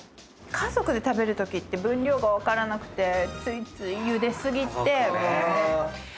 家族で食べるときって分量が分からなくてついつい。